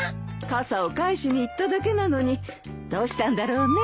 傘を返しに行っただけなのにどうしたんだろうね。